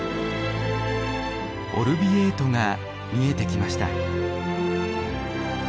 オルヴィエートが見えてきました。